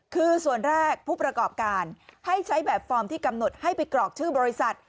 คือส่วนแรกผู้ประกอบการให้ใช้แบบฟอร์มที่กำหนดให้ไปกรอกชื่อบริษัท